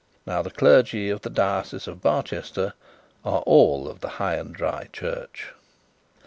Now, the clergymen of the diocese of Barchester are all of the high and dry church.